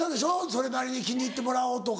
それなりに気に入ってもらおうとか。